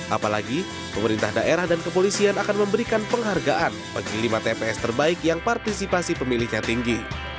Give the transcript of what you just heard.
apalagi pemerintah daerah dan kepolisian akan memberikan penghargaan bagi lima tps terbaik yang partisipasi pemilihnya tinggi